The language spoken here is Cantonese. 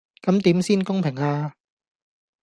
咁點先公平呀?